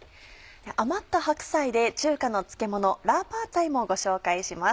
余った白菜で中華の漬けもの「ラーパーツァイ」もご紹介します。